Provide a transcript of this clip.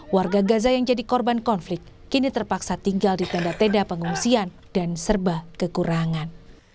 warga gaza yang jadi korban konflik kini terpaksa tinggal di tenda tenda pengungsian dan serba kekurangan